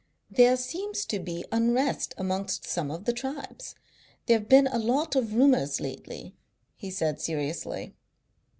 "There seems to be unrest amongst some of the tribes. There have been a lot of rumours lately," he said seriously.